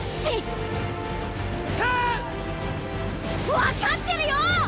分かってるよ！！